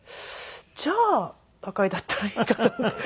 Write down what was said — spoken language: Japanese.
じゃあ赤井だったらいいかと思って。